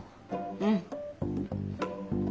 うん。